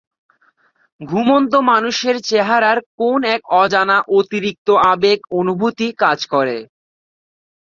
ঘুমন্ত মানুষের চেহারার কোন এক অজানা অতিরিক্ত আবেগ অনুভূতি কাজ করে।